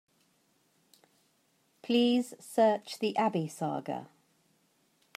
Please search the Abby saga.